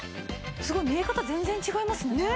すごい。見え方全然違いますね。